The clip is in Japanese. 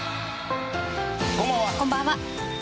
こんばんは。